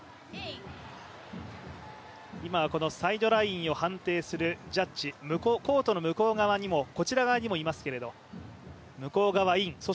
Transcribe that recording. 今はこのサイドラインを判定するジャッジコートの向こう側にもこちら側にもいますけれども向こう側、イン。